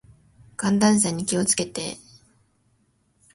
寒暖差に気を付けて。